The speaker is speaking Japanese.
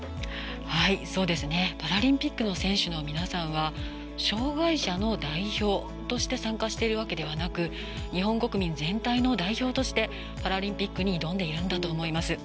パラリンピックの選手の皆さんは障がい者の代表として参加しているわけではなく日本国民全体の代表としてパラリンピックに挑んでいるんだと思います。